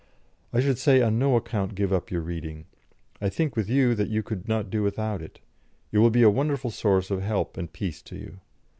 I should say on no account give up your reading. I think with you that you could not do without it. It will be a wonderful source of help and peace to you.